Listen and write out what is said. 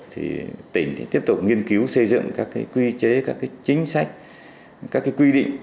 thì tỉnh tiếp tục nghiên cứu xây dựng các quy chế các cái chính sách các quy định